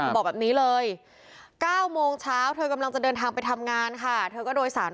บอกแบบนี้เลย๙โมงเช้าเธอกำลังจะเดินทางไปทำงานค่ะ